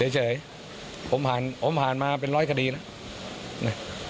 เฉยผมผ่านมาเป็นร้อยคดีนะ